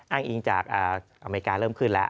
อ้างอิงจากอเมริกาเริ่มขึ้นแล้ว